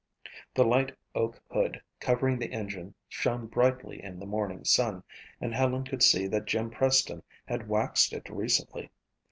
The light oak hood covering the engine shone brightly in the morning sun and Helen could see that Jim Preston had waxed it recently.